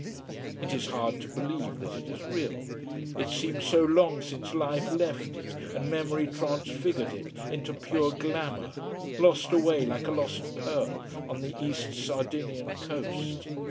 It is hard to believe that it is real. It seems so long since life left it and memory transfigured it into pure glamour, lost away like a lost pearl on the east Sardinian coast.